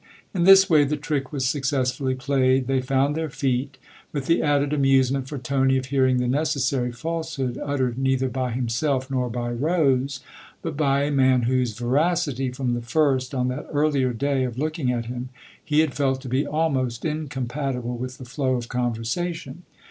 In this way the trick was successfully played they found their feet ; with the added amusement for Tony of hearing the necessary falsehood uttered neither by himself nor by Rose, but by a man whose veracity, from the first, on that earlier day, of looking at him, he had felt to be almost incompatible with the flow of conversation.